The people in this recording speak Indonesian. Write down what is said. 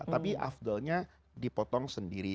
tapi afdolnya dipotong sendiri